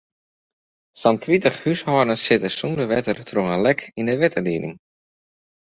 Sa'n tritich húshâldens sieten sûnder wetter troch in lek yn de wetterlieding.